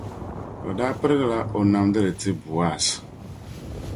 o daa pirigi la o namdili ti Bɔaz.